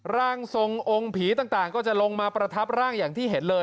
ร่างทรงองค์ผีต่างก็จะลงมาประทับร่างอย่างที่เห็นเลย